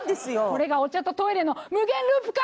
これがお茶とトイレの無限ループか！